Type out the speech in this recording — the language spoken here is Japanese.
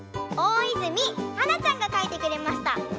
おおいずみはなちゃんがかいてくれました。